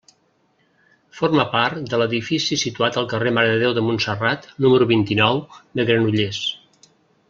Forma part de l'edifici situat al carrer Mare de Déu de Montserrat, número vint-i-nou, de Granollers.